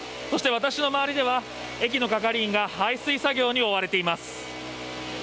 そして私の周りでは駅の係員が排水作業に追われています。